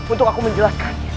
untuk aku menjelaskannya